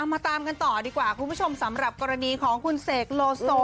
มาตามกันต่อดีกว่าคุณผู้ชมสำหรับกรณีของคุณเสกโลโซ